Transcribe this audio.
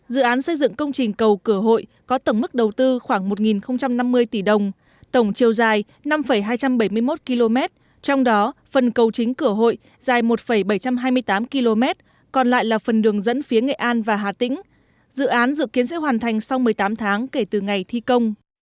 dự án xây dựng công trình cầu cửa hội có tổng mức đầu tư khoảng một năm mươi tỷ đồng tổng chiều dài năm hai trăm bảy mươi một km trong đó phần cầu chính cửa hội dài một bảy trăm hai mươi tám km còn lại là phần đường dẫn phía nghệ an và hà tĩnh dự án dự kiến sẽ hoàn thành sau một mươi tám tháng kể từ ngày thi công